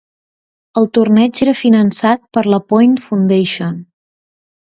El torneig era finançat per la Point Foundation.